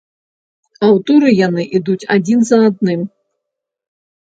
А ў туры яны ідуць адзін за адным.